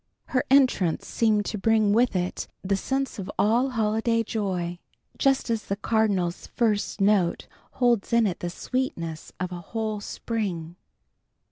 Her entrance seemed to bring with it the sense of all holiday joy, just as the cardinal's first note holds in it the sweetness of a whole spring.